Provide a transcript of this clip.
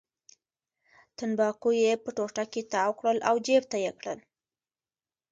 تنباکو یې په ټوټه کې تاو کړل او جېب ته یې کړل.